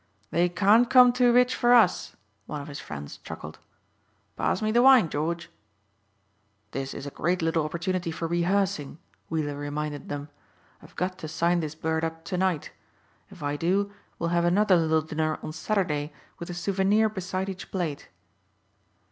"They can't come too rich for us," one of his friends chuckled. "Pass me the wine, George." "This is a great little opportunity for rehearsing," Weiller reminded them. "I've got to sign this bird up to night. If I do we'll have another little dinner on Saturday with a souvenir beside each plate."